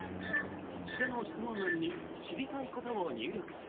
下の質問欄に知りたいことを入力する。